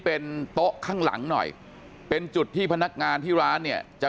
เป็นโต๊ะข้างหลังหน่อยเป็นจุดที่พนักงานที่ร้านเนี่ยจะ